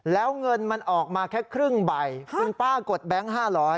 แล้วเงินมันออกมาแค่ครึ่งใบคุณป้ากดแบงค์๕๐๐